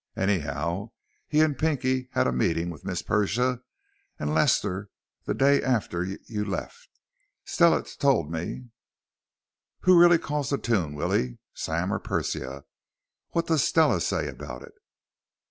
Anyhow, he and Pinky had a m meeting with Miss Persia and Lester the d day after you left. Stella t told me." "Who really calls the tune, Willie? Sam or Persia? What does Stella say about it?"